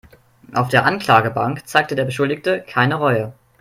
Auf der Anklagebank zeigte der Beschuldigte keine Reue.